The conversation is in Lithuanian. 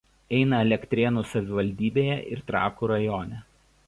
Eina Elektrėnų savivaldybėje ir Trakų rajone.